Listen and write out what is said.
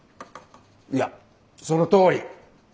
いやそのとおり。